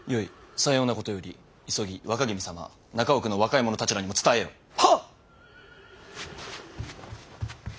さようなことより急ぎ若君様中奥の若い者たちらにも伝えよ。は。